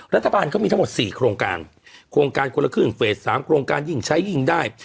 รัฐบาลเขามีทั้งหมด๔โครงการโครงการคนละครึ่งเฟส๓โครงการยิ่งใช้ยิ่งได้